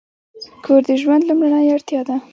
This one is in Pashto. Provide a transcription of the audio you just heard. کور د ژوند لومړنۍ اړتیا ده.